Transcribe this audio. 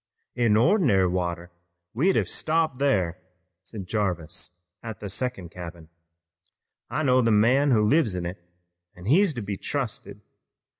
"In ordinary water we'd have stopped thar," said Jarvis at the second cabin. "I know the man who lives in it an' he's to be trusted.